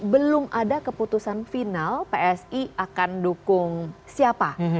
belum ada keputusan final psi akan dukung siapa